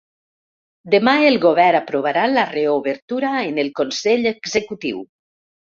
Demà el govern aprovarà la reobertura en el consell executiu.